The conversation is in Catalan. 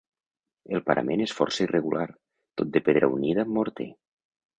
El parament és força irregular, tot de pedra unida amb morter.